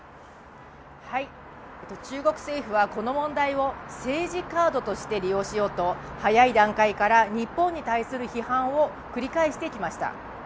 中国政府はこの問題を政治カードとして利用しようと早い段階から日本に対する批判を繰り返してきました。